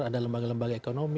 ada lembaga lembaga ekonomi